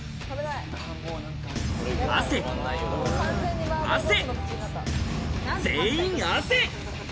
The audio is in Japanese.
汗、汗、全員汗。